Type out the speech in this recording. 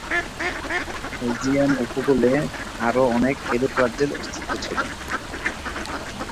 Aegean উপকূলে আরো অনেক এরূপ রাজ্যের অস্তিত্ব ছিল।